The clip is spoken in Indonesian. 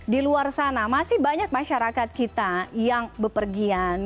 di luar sana masih banyak masyarakat kita yang bepergian